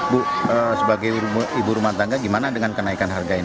bu sebagai ibu rumah tangga gimana dengan kenaikan harga ini